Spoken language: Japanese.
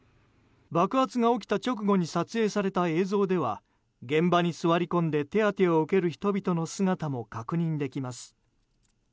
爆発が起きた直後に撮影された映像では現場に座り込んで手当てを受ける人々の姿も確認できます。